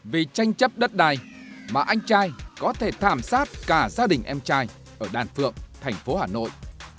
vì tranh chấp đất đai mà anh trai có thể thảm sát cả gia đình em trai ở đàn phượng thành phố hà nội